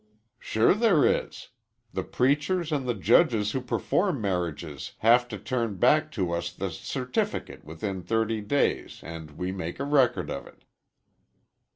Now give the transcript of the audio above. "Sure there is. The preachers and the judges who perform marriages have to turn back to us the certificate within thirty days and we make a record of it."